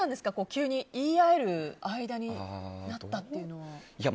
急に言い合える間柄になったというのは。